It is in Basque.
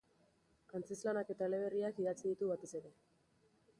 Antzezlanak eta eleberriak idatzi ditu batez ere.